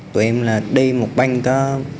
tụi em là đi một banh đó